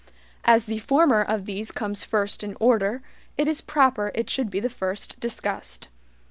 As the former of these comes first in order, it is proper it should be the first discussed.